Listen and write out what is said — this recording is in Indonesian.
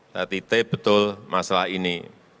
saya titip betul masalah ini